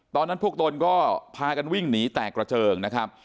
ตอนนั้นพวกตนก็พากันวิ่งหนีแตกกระเจิงนะครับ